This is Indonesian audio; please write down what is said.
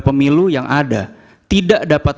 pemilu yang ada tidak dapat